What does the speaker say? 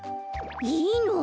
いいの？